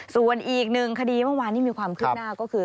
ส่วนอีกหนึ่งคดีเมื่อวานที่มีความคืบหน้าก็คือ